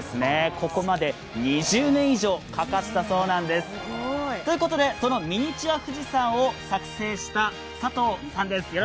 ここまで２０年以上かかったそうなんです。ということでそのミニチュア富士山を作成した佐藤さんです。